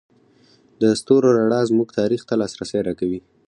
د ستورو رڼا زموږ تاریخ ته لاسرسی راکوي.